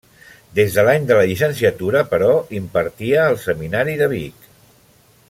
Des de l’any de la llicenciatura, però, impartia al Seminari de Vic.